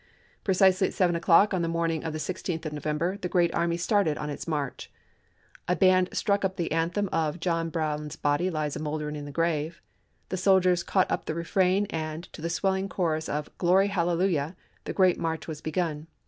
Precisely at seven o'clock on the morning of the isw. 16th of November the great army started on its march. A band struck up the anthem of " John Brown's body lies a moldering in the grave "; the soldiers caught up the refrain, and, to the swelling chorus of " Glory, Hallelujah," the great march was begun.